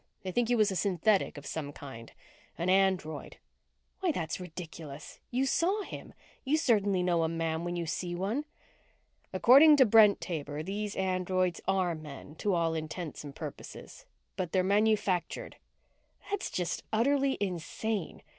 They think he was a synthetic of some kind. An android." "Why, that's ridiculous. You saw him. You certainly know a man when you see one." "According to Brent Taber, these androids are men, to all intents and purposes, but they're manufactured." "That's just utterly insane.